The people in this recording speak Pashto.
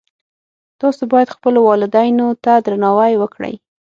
تاسو باید خپلو والدینو ته درناوی وکړئ